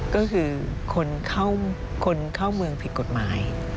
ก็คือคนเข้าเมืองผิดกฎหมาย